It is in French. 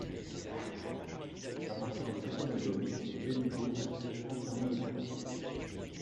À partir du septième album, Benéteau assure entièrement le graphisme.